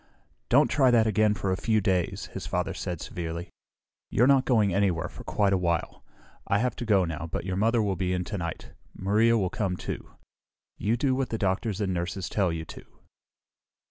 "Don't try that again for a few days!" his father said severely. "You're not going anywhere for quite a while. I have to go now, but your mother will be in tonight. Maria will come, too. You do what the doctors and nurses tell you to!"